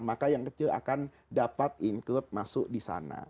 maka yang kecil akan dapat include masuk di sana